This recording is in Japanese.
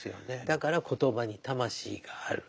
だから言葉に魂がある。